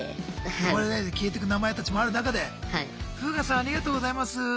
呼ばれないで消えてく名前たちもある中で「フーガさんありがとうございます」。